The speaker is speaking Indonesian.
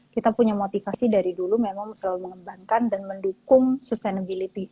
kita punya motivasi dari dulu memang selalu mengembangkan dan mendukung sustainability